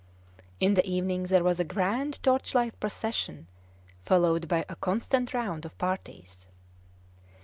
In the evening there was a grand torchlight procession, followed by a constant round of parties.